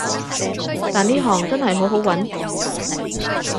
但呢行真係好好搵